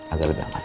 agar lebih aman